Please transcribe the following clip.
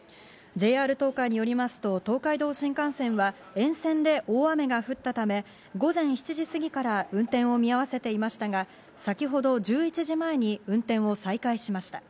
ＪＲ東海によりますと東海道新幹線は沿線で大雨が降ったため、午前７時過ぎから運転を見合わせていましたが、先ほど１１時前に運転を再開しました。